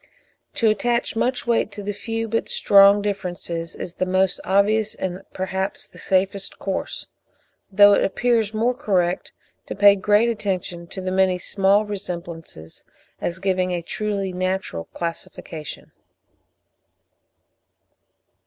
To attach much weight to the few but strong differences is the most obvious and perhaps the safest course, though it appears more correct to pay great attention to the many small resemblances, as giving a truly natural classification.